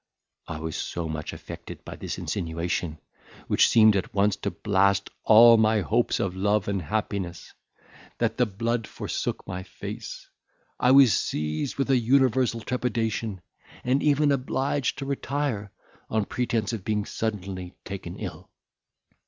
I was so much affected by this insinuation, which seemed at once to blast all my hopes of love and happiness, that the blood forsook my face; I was seized with an universal trepidation, and even obliged to retire, on pretence of being suddenly taken ill.